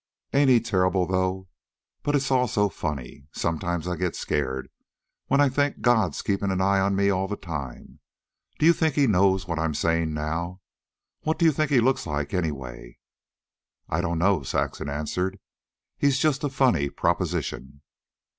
Ain't he terrible, though? But it's all so funny. Sometimes I get scared when I think God's keepin' an eye on me all the time. Do you think he knows what I'm sayin' now? What do you think he looks like, anyway?" "I don't know," Saxon answered. "He's just a funny proposition."